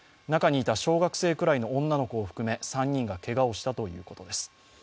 中にいた小学生くらいの女の子を含め３人くらいがけがをしたということです。